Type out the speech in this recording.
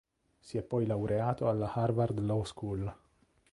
Si è poi laureato alla Harvard Law School.